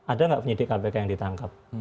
ada nggak penyidik kpk yang ditangkap